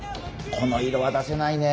この色は出せないね